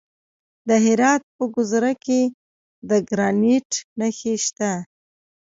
د هرات په ګذره کې د ګرانیټ نښې شته.